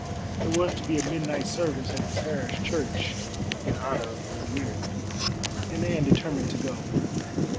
There was to be a midnight service at the parish church in honor of the New Year, and Anne determined to go.